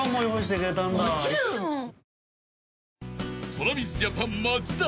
［ＴｒａｖｉｓＪａｐａｎ松田］